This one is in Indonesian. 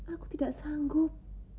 aku tidak sanggup